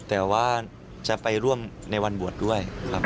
แต่ว่าจะไปร่วมในวันบวชด้วยครับ